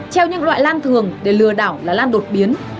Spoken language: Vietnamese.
treo những loại lan thường để lừa đảo là lan đột biến